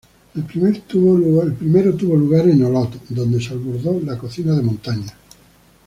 El primero tuvo lugar en Olot, donde se abordó la cocina de montaña.